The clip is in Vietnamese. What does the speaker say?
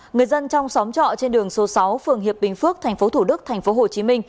người dân trong xóm trọ trên đường số sáu phường hiệp bình phước tp thủ đức tp hcm